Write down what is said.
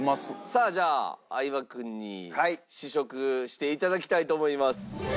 さあじゃあ相葉君に試食していただきたいと思います。